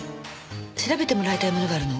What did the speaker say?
調べてもらいたいものがあるの。